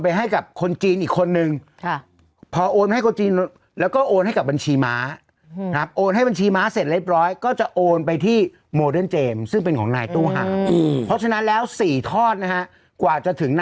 อื้มอื้มอื้มอื้มอื้มอื้มอื้มอื้มอื้มอื้มอื้มอื้มอื้มอื้มอื้ม